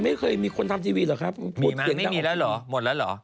ไม่เคยมีคนทำทีวีเหรอครับมีมั้งไม่มีแล้วเหรอหมดแล้วเหรอ